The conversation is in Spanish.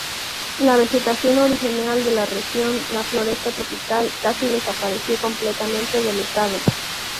La vegetación original de la región, la floresta tropical, casi desapareció completamente del estado.